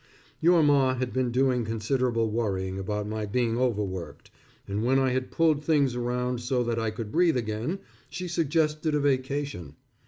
Your Ma had been doing considerable worrying about my being overworked, and when I had pulled things around so that I could breathe again, she suggested a vacation.